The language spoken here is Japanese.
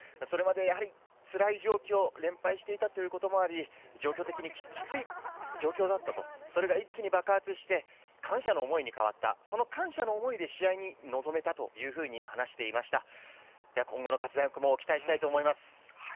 それまでやはりつらい状況、連敗していたということもあり、状況的にきつい状況だったと、それが一気に爆発して、感謝の思いに変わった、その感謝の思いで試合に臨めたというふうに話していました。